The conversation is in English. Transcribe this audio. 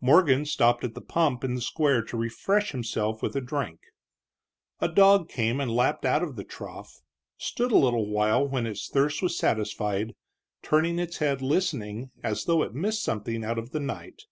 Morgan stopped at the pump in the square to refresh himself with a drink. A dog came and lapped out of the trough, stood a little while when its thirst was satisfied, turning its head listening, as though it missed something out of the night.